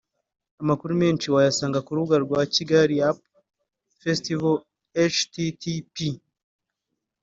Amakuru menshi wayasanga ku rubuga rwa Kigali Up Festival http